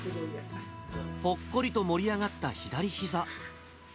ぽっこりともり上がった左ひざ。